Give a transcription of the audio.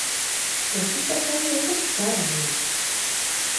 Konkistatzaile oso txarra naiz!